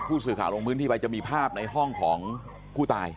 ผู้สื่อข่าวลงพื้นที่ไปจะมีภาพในห้องของผู้ตาย